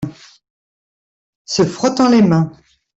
Se frottant les mains.